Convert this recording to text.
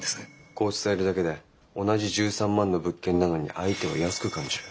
こう伝えるだけで同じ１３万の物件なのに相手は安く感じる。